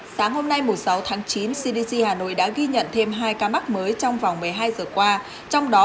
sáng hôm nay sáu tháng chín cdc hà nội đã ghi nhận thêm hai ca mắc mới trong vòng một mươi hai giờ qua trong đó